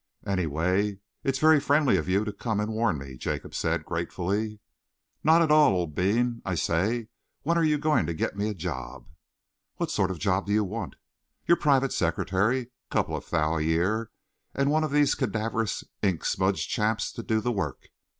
"Anyway, it's very friendly of you to come and warn me," Jacob said gratefully. "Not at all, old bean. I say, when are you going to get me a job?" "What sort of a job do you want?" "Your private secretary, couple of thou a year, and one of these cadaverous, ink smudged chaps to do the work.